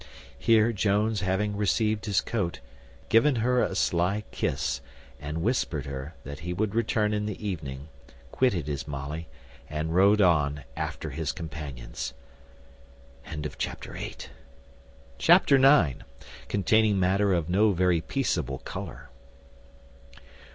Here Jones having received his coat, given her a sly kiss, and whispered her, that he would return in the evening, quitted his Molly, and rode on after his companions. Chapter ix. Containing matter of no very peaceable colour.